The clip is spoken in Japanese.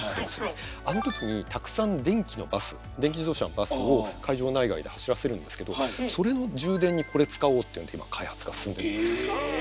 あの時にたくさん電気のバス電気自動車のバスを会場内外で走らせるんですけどそれの充電にこれ使おうっていうので今開発が進んでいます。